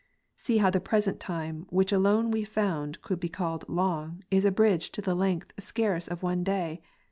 20. See how the present time, which alone we found co . M be called long, is abridged to the length scarce of one day.